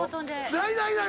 ないないない！